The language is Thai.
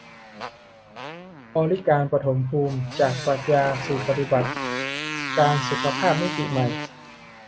บริการปฐมภูมิ : จากปรัชญาสู่ปฏิบัติการสุขภาพมิติใหม่